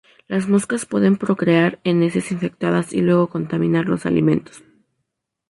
Las moscas pueden procrear en heces infectadas y luego contaminar los alimentos.